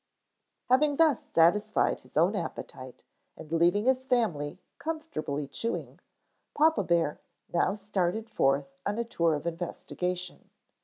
Having thus satisfied his own appetite, and leaving his family comfortably chewing, papa bear now started forth on a tour of investigation.